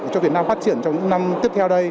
cho việt nam phát triển trong những năm tiếp theo đây